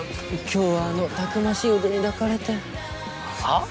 今日はあのたくましい腕に抱かれてはっ